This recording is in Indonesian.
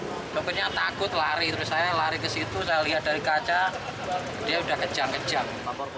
akhirnya takut lari terus saya lari ke situ saya lihat dari kaca dia udah kejang kejang